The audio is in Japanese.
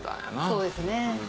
そうですね。